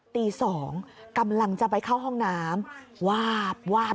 ตี๒กำลังจะไปเข้าห้องน้ำวาบวาบ